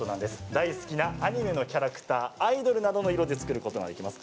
大好きなアニメのキャラクターアイドルなどの色で作ることができます。